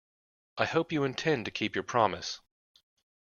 I hope you intend to keep your promise.